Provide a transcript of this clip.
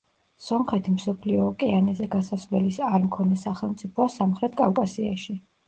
სომხეთი მსოფლიო ოკეანეზე გასასვლელის არმქონე სახელმწიფოა სამხრეთ კავკასიაში.